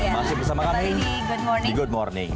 masih bersama kami di good morning